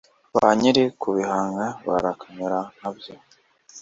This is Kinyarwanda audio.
Ba nyir’ukubihanga barakamera nka byo